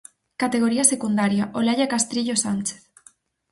Categoría Secundaria: Olalla Castrillo Sánchez.